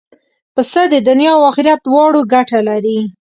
پسه د دنیا او آخرت دواړو ګټه لري.